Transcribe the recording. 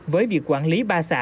với việc quản lý ba xã